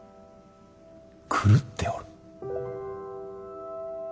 狂っておる。